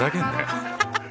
アハハハ。